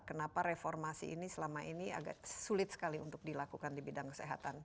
kenapa reformasi ini selama ini agak sulit sekali untuk dilakukan di bidang kesehatan